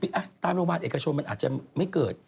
อ่ะตามโรงพยาบาลเอกชนมันอาจจะไม่เกิด